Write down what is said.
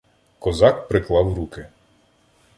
Козак приклав руки: